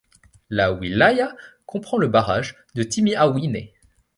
La wilaya comprend le barrage de Timiaouine.